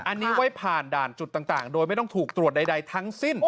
อันนี้ไว้ผ่านด่านจุดต่างโดยไม่ต้องถูกตรวจใดทั้งสิ้น